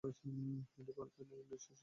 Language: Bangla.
এটি ভারতের একটি দেশজ উদ্ভিদ প্রজাতি।